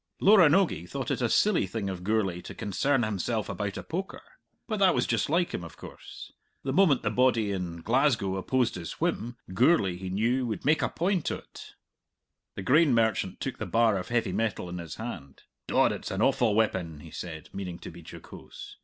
Loranogie thought it a silly thing of Gourlay to concern himself about a poker. But that was just like him, of course. The moment the body in Glasgow opposed his whim, Gourlay, he knew, would make a point o't. The grain merchant took the bar of heavy metal in his hand. "Dod, it's an awful weapon," he said, meaning to be jocose.